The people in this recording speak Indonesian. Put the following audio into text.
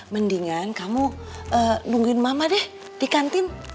mendingan kamu nungguin mama deh di kantin